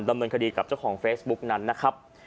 ดำเนินคดีกับเจ้าของเฟซบุ๊กนั้นนะครับ